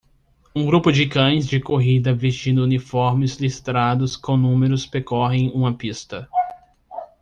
Um grupo de cães de corrida vestindo uniformes listrados com números percorrem uma pista.